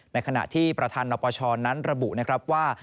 ในขณะที่ประธานประชอนั้นระบุว่า